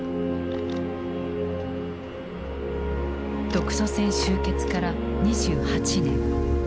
独ソ戦終結から２８年。